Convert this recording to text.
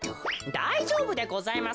だいじょうぶでございます。